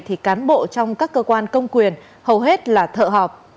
thì cán bộ trong các cơ quan công quyền hầu hết là thợ họp